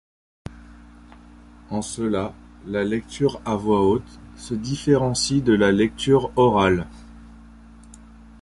En cela, la lecture à voix haute se différencie de la lecture orale.